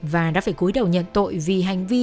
và đã phải cuối đầu nhận tội vì hành vi